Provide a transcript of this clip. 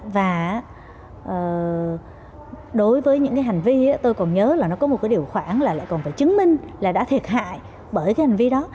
và đối với những cái hành vi tôi còn nhớ là nó có một cái điều khoản là lại còn phải chứng minh là đã thiệt hại bởi cái hành vi đó